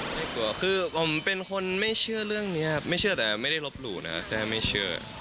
ไม่กลัวคือผมเป็นคนไม่เชื่อเรื่องนี้ครับไม่เชื่อแต่ไม่ได้ลบหลู่นะแค่ไม่เชื่อ